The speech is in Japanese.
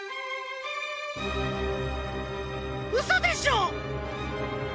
うそでしょ！？